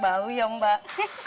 malu ya mbak